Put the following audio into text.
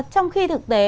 trong khi thực tế